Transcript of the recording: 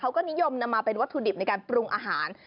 เขาก็นิยมนำมาเป็นวัตถุดิบในการปรุงอาหาร